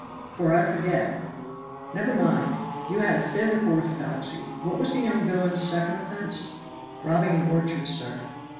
for I forget. Never mind, you had a fit of orthodoxy. What was the young villain's second offense?" "Robbing an orchard, sir."